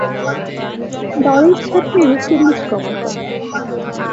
দলের সাথে West Indies গমন করেন।